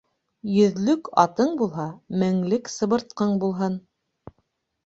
Йөҙлөк атың булһа, меңлек сыбыртҡың булһын.